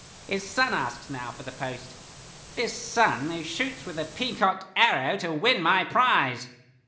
His son asks now for the post: this son who shoots with a peacocked arrow to win my prize."